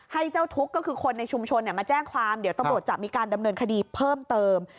ให้เจ้าทุกข์ก็คือคนในชุมชนมาแจ้งความเดี๋ยวตำรวจจะมีการดำเนินคดีเพิ่มเติม